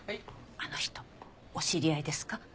あの人お知り合いですか？